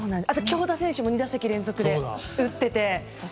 京田選手も２打席連続で打ってて。